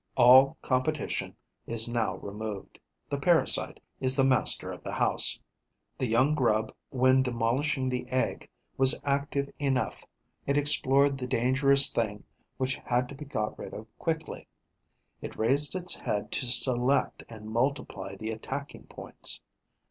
All competition is now removed; the parasite is the master of the house. The young grub, when demolishing the egg, was active enough: it explored the dangerous thing which had to be got rid of quickly, it raised its head to select and multiply the attacking points.